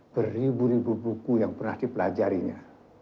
beribu ribu buku yang pernah dipelajarinya